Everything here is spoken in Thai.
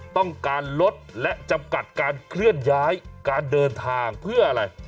ต้องการลดและจำกัดการเคลื่อนย้ายการเดินทางเพื่ออะไร